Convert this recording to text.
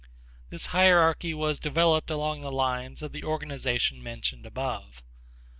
This hierarchy was developed along the lines of the organization mentioned above.